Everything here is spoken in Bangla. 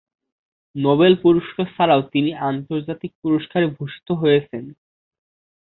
নোবেল পুরস্কার ছাড়াও তিনি আন্তর্জাতিক পুরস্কারে ভূষিত হয়েছেন।